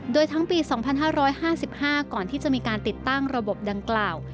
โดยทั้งปี๒๕๕๕ก่อนที่จะมีการติดตั้งระบบดังกล่าว